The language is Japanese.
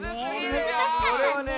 むずかしかったね。